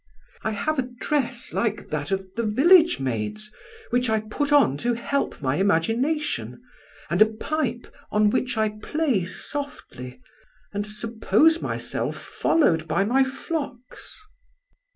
I have a dress like that of the village maids, which I put on to help my imagination, and a pipe on which I play softly, and suppose myself followed by my flocks."